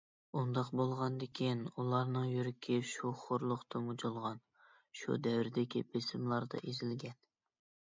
ئۇنداق بولغاندىكىن، ئۇلارنىڭ يۈرىكى شۇ خورلۇقتا مۇجۇلغان، شۇ دەۋردىكى بېسىملاردا ئېزىلگەن.